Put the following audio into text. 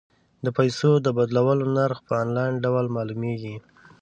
د پيسو د بدلولو نرخ په انلاین ډول معلومیږي.